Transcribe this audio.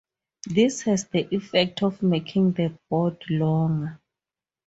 This has the effect of making the board longer.